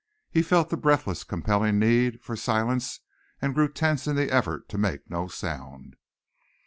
He felt the breathless, compelling need for silence and grew tense in the effort to make no sound.